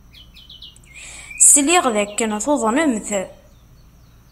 Sliɣ dakken tuḍnemt.